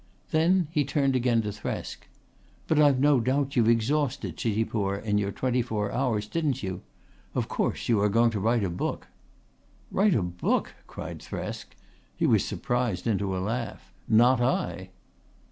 Then he turned again to Thresk. "But I've no doubt you exhausted Chitipur in your twenty four hours, didn't you? Of course you are going to write a book." "Write a book!" cried Thresk. He was surprised into a laugh. "Not I."